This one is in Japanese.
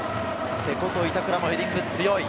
瀬古と板倉もヘディング強い。